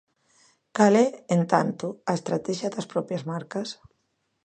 Cal é, en tanto, a estratexia das propias marcas?